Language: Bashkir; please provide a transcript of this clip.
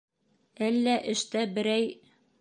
- Әллә эштә берәй...